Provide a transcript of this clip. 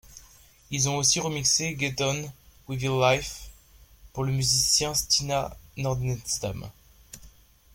Ils ont aussi remixé Get On With Your Life pour le musicien Stina Nordenstam.